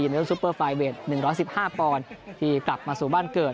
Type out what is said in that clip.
ด้วยซุปเปอร์ไฟเวท๑๑๕ปอนด์ที่กลับมาสู่บ้านเกิด